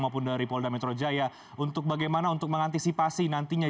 maupun dari polda metro jaya untuk bagaimana untuk mengantisipasi nantinya